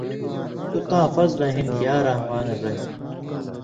توۡ تاں فضلہ ہِن یا رحمان الرحیم